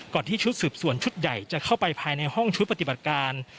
ที่ชุดสืบสวนชุดใหญ่จะเข้าไปภายในห้องชุดปฏิบัติการ